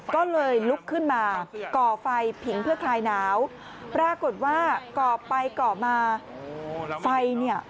ก็เลยลุกขึ้นมาก่อไฟผิงเพื่อคลายหนาวปรากฏว่าก่อไปก่อมาไฟเนี่ย